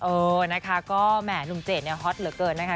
เออนะคะก็แหม่หนุ่มเจดเนี่ยฮอตเหลือเกินนะคะ